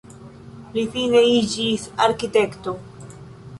Li fine iĝis arkitekto.